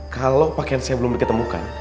kalau pakaian saya belum diketemukan